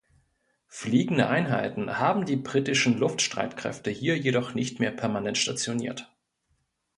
Fliegende Einheiten haben die britischen Luftstreitkräfte hier jedoch nicht mehr permanent stationiert.